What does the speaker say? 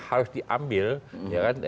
harus diambil ya kan